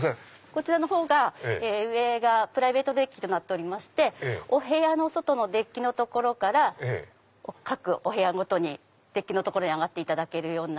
こちらのほう上がプライベートデッキとなっておりましてお部屋の外のデッキの所から各お部屋ごとにデッキに上がっていただける。